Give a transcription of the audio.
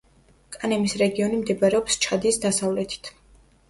კანემის რეგიონი მდებარეობს ჩადის დასავლეთით.